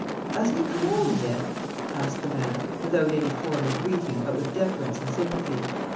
"Asna 'e come whoam yit?" asked the man, without any form of greeting, but with deference and sympathy.